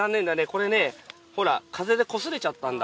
これねほら風でこすれちゃったんだ。